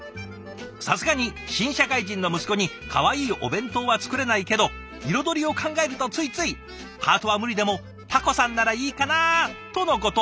「さすがに新社会人の息子にかわいいお弁当は作れないけど彩りを考えるとついついハートは無理でもタコさんならいいかな？」とのこと。